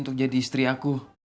untuk jadi istri aku